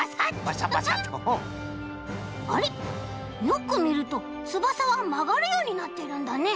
よくみるとつばさがまがるようになってるんだね。